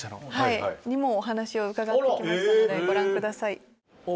お話を伺ってきましたのでご覧ください。